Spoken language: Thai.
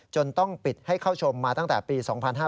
ต้องปิดให้เข้าชมมาตั้งแต่ปี๒๕๕๙